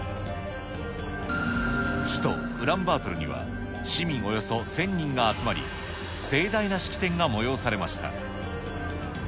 首都ウランバートルには、市民およそ１０００人が集まり、盛大な式典が催されました。